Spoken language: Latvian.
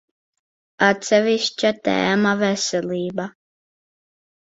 Atsevišķa tēma – veselība.